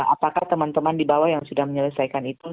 apakah teman teman di bawah yang sudah menyelesaikan itu